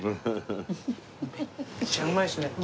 めっちゃうまいっすね。